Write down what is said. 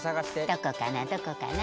どこかなどこかな？